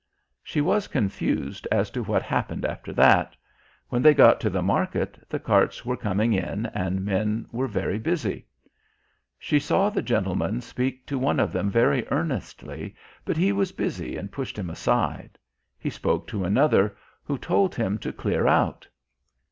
She was confused as to what happened after that. When they got to the market the carts were coming in and men were very busy. She saw the gentleman speak to one of them very earnestly, but he was busy and pushed him aside. He spoke to another, who told him to clear out.